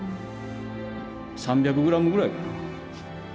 ３００グラムぐらいかな。